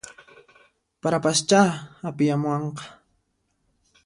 Parapaschá apiyamuwanqa